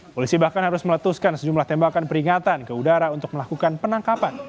polisi bahkan harus meletuskan sejumlah tembakan peringatan ke udara untuk melakukan penangkapan